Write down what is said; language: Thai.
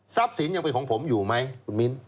สินยังเป็นของผมอยู่ไหมคุณมิ้น